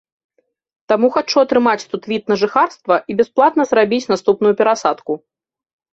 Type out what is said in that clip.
Таму хачу атрымаць тут від на жыхарства і бясплатна зрабіць наступную перасадку.